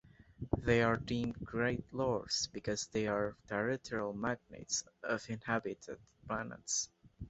They are deemed great lords because they are territorial magnates of inhabited planets.